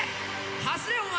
走れ、お前！